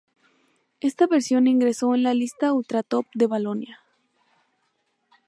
Esta versión ingresó en la lista Ultratop de Valonia.